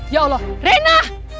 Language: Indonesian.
ya allah rena